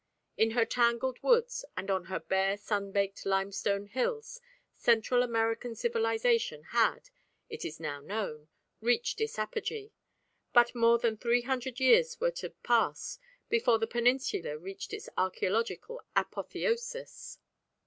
In her tangled woods and on her bare sunbaked limestone hills Central American civilisation had, it is now known, reached its apogee, but more than three hundred years were to pass before the peninsula reached its archæological apotheosis.